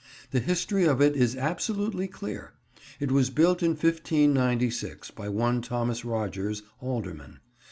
The history of it is absolutely clear. It was built in 1596 by one Thomas Rogers, alderman.